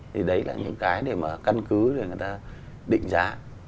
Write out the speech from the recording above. thì đấy là những cái để mà căn cứ để người ta định giá